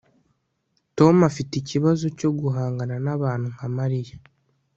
tom afite ikibazo cyo guhangana nabantu nka mariya